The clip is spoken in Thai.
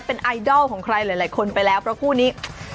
เป็นไอดอลของใครหลายคนไปแล้วเพราะคู่นี้